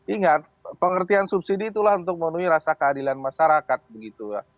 ingat pengertian subsidi itulah untuk memenuhi rasa keadilan masyarakat begitu ya